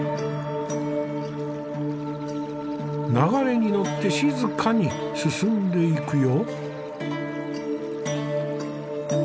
流れに乗って静かに進んでいくよ。